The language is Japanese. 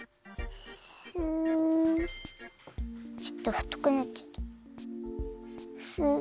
ちょっとふとくなっちゃった。